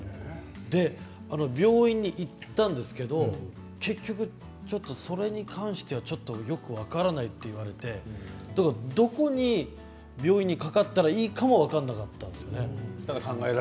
病院に行ったんですけれど結局それに関してはよく分からないと言われてどこの病院にかかってもいいかも分からなかったんです。